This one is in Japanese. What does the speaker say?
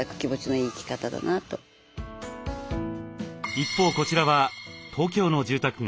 一方こちらは東京の住宅街。